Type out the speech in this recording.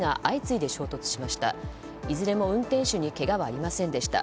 いずれも運転手にけがはありませんでした。